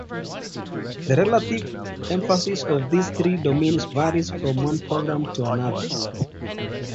The relative emphasis of these three domains varies from one program to another.